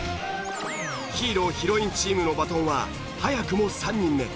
ヒーローヒロインチームのバトンは早くも３人目。